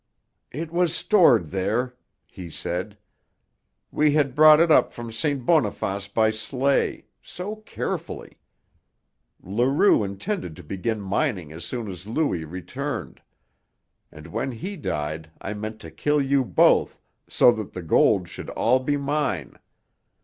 "It was stored there," he said. "We had brought it up from St. Boniface by sleigh so carefully. Leroux intended to begin mining as soon as Louis returned. And when he died I meant to kill you both, so that the gold should all be mine.